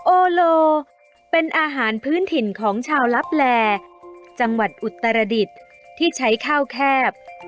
โอโลเป็นอาหารพื้นถิ่นของชาวลับแลจังหวัดอุตรดิษฐ์ที่ใช้ข้าวแคบ